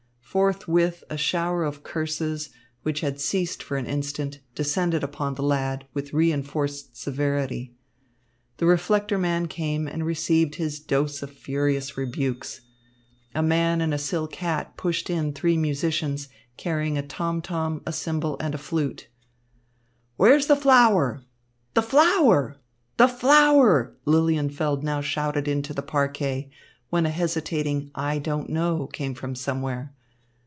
Forthwith a shower of curses, which had ceased for an instant, descended upon the lad, with reinforced severity. The reflector man came and received his dose of furious rebukes. A man in a silk hat pushed in three musicians, carrying a tom tom, a cymbal and a flute. "Where's the flower? The flower! The flower!" Lilienfeld now shouted into the parquet, when a hesitating "I don't know" came from somewhere.